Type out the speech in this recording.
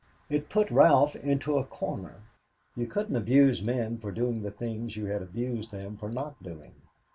It put Ralph into a corner. You couldn't abuse men for doing the things you had abused them for not doing.